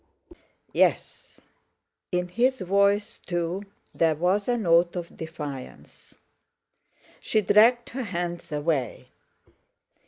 "Yes." In his voice, too, there was a note of defiance. She dragged her hands away.